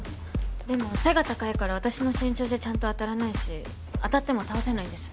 でも背が高いから私の身長じゃちゃんと当たらないし当たっても倒せないんです。